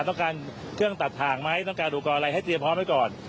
ต้องการเครื่องตัดถ่างไหมต้องการอุปกรณ์อะไรให้เตรียมพร้อมไว้ก่อน